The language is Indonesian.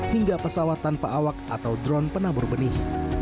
hingga pesawat tanpa awak atau drone penabur benih